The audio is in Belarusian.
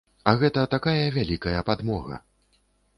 А гэта такая вялікая падмога.